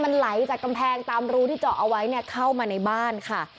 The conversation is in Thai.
มันไหลจากกำแพงตามรูที่เจาะเอาไว้เนี่ยเข้ามาในบ้านค่ะ